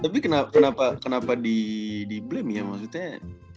tapi kenapa di blam ya maksudnya